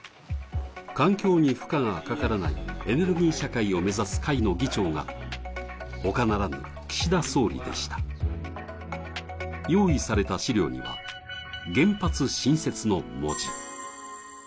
環境に負荷がかからないエネルギー社会を目指す会の議長が他ならぬ岸田総理でした、用意された資料には、原発新設の文字。